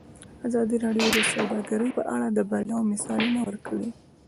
ازادي راډیو د سوداګري په اړه د بریاوو مثالونه ورکړي.